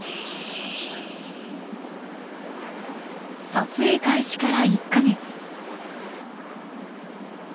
撮影開始から１か月。